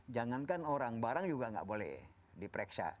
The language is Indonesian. jangankan orang barang juga nggak boleh diperiksa